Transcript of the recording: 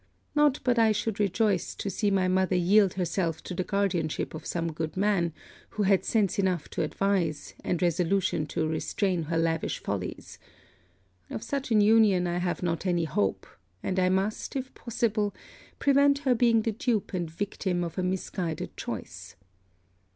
Not but I should rejoice to see my mother yield herself to the guardianship of some good man, who had sense enough to advise, and resolution to restrain her lavish follies. Of such an union I have not any hope; and I must, if possible, prevent her being the dupe and victim of a misguided choice.